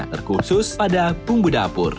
terkhusus pada bumbu dapur